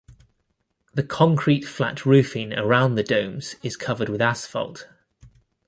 The concrete flat roofing around the domes is covered with asphalt.